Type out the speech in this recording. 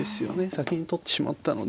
先に取ってしまったので。